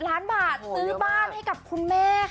ล้านบาทซื้อบ้านให้กับคุณแม่ค่ะ